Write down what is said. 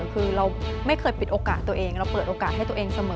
คือเราไม่เคยปิดโอกาสตัวเองเราเปิดโอกาสให้ตัวเองเสมอ